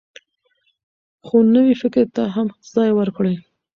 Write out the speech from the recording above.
خو نوي فکر ته هم ځای ورکړئ.